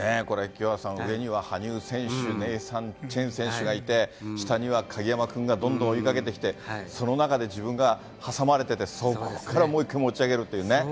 これ、清原さん、上には羽生選手、ネイサン・チェン選手がいて、下には鍵山君がどんどん追いかけてきて、その中で自分が挟まれてて、そこからもう一回持ち上げるっていうね。